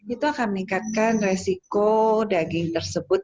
itu akan meningkatkan resiko daging tersebut